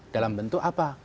dalam bentuk apa